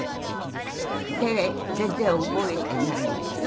で全然覚えていないんですよ。